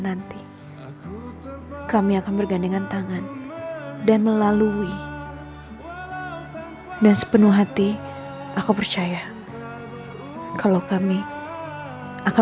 nanti kami akan bergandengan tangan dan melalui dan sepenuh hati aku percaya kalau kami akan